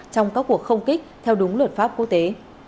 trong các cuộc không kích theo đúng luật pháp quốc tế